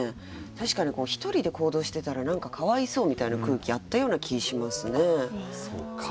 確かに１人で行動していたらなんかかわいそうみたいな空気あったような気がしますね。